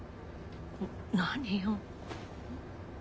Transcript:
何よ。